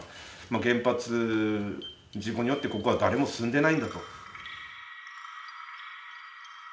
原発事故によってここは誰も住んでないんだと。